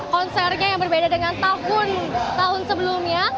konsernya yang berbeda dengan tahun tahun sebelumnya